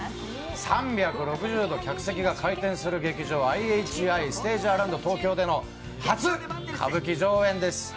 ３６０度、客席が回転する劇場、ＩＨＩステージアラウンド東京での初歌舞伎上演です。